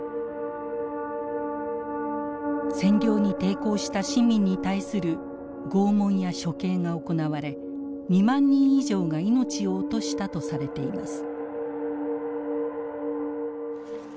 占領に抵抗した市民に対する拷問や処刑が行われ２万人以上が命を落としたとされています。